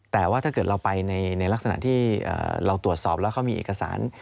แต่ว่าถ้าเกิดเราไปในลักษณะที่เราตรวจสอบแล้วเขามีเอกสาร